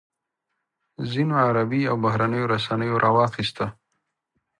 ځینو عربي او بهرنیو رسنیو راواخیسته.